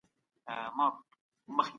کورنۍ ستونزې په سوله حل کړئ.